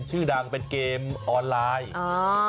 ชื่อดังเป็นเกมออนไลน์